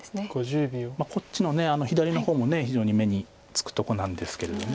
こっちの左の方も非常に目につくとこなんですけれど。